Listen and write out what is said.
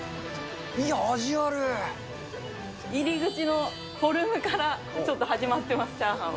いや、入り口のフォルムから、ちょっと始まってます、チャーハンは。